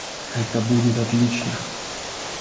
Это будет отлично.